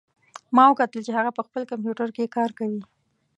ما وکتل چې هغه په خپل کمپیوټر کې کار کوي